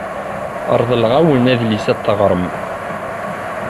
Reḍleɣ-awen adlis ad t-teɣrem.